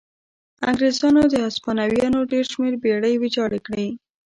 انګرېزانو د هسپانویانو ډېر شمېر بېړۍ ویجاړې کړې.